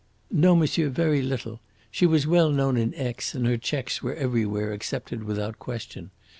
"No, monsieur; very little. She was well known in Aix and her cheques were everywhere accepted without question.